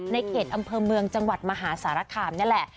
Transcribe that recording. ในเขตอำเภอเมืองจังหวัดมหาสารคามนี่แหละ